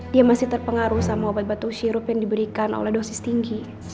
dia masih terpengaruh sama obat batuk sirup yang diberikan oleh dosis tinggi